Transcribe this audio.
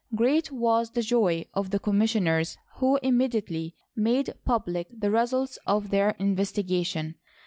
Great was the joy of the commissioners, who immediately made public the results of their investigation.